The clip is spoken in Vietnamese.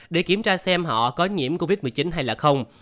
để kiểm tra xem họ có nhiễm covid một mươi chín hay là không